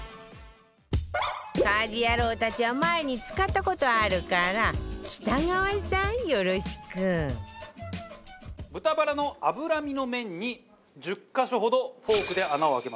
家事ヤロウたちは前に使った事あるから豚バラの脂身の面に１０カ所ほどフォークで穴を開けます。